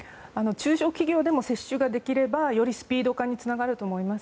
中小企業でも接種ができればよりスピード化につながると思います。